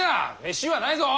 飯はないぞ！